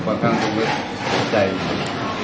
แต่ว่ายังหนึ่งผมก็คิดว่าลูกผมทำดี